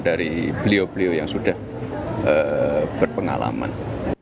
dari beliau beliau yang sudah berpengalaman